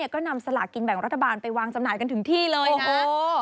ก็นำสลากกินแบ่งรัฐบาลไปวางจำหน่ายกันถึงที่เลยโอ้โห